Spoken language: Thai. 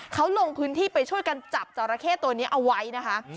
เขาลงพื้นที่ไปช่วยกันจับจราเข้ตัวนี้เอาไว้นะคะ